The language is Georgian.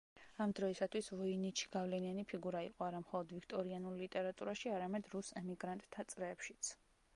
ამ დროისათვის ვოინიჩი გავლენიანი ფიგურა იყო არა მხოლოდ ვიქტორიანულ ლიტერატურაში, არამედ რუს ემიგრანტთა წრეებშიც.